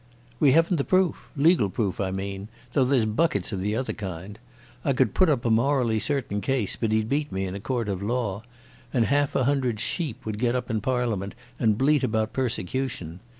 "We haven't the proof—legal proof, I mean; though there's buckets of the other kind. I could put up a morally certain case, but he'd beat me in a court of law. And half a hundred sheep would get up in Parliament and bleat about persecution.